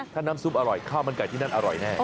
ถ้าน้ำซุปอร่อยข้าวมันไก่ที่นั่นอร่อยแน่